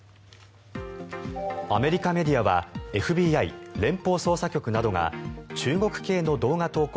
アメリカメディアはＦＢＩ・連邦捜査局などが中国系の動画投稿